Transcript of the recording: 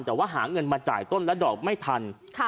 แต่ว่าหาเงินมาจ่ายต้นและดอกไม่ทัน